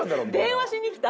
電話しに来た？